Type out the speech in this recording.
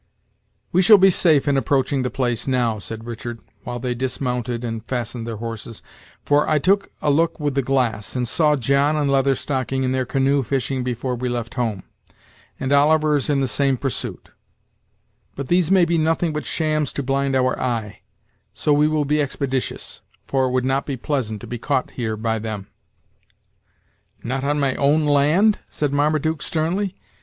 "We shall be safe in approaching the place now," said Richard, while they dismounted and fastened their horses; "for I took a look with the glass, and saw John and Leather Stocking in their canoe fishing before we left home, and Oliver is in the same pursuit; but these may be nothing but shams to blind our eye; so we will be expeditious, for it would not be pleasant to be caught here by them." "Not on my own land?" said Marmaduke sternly.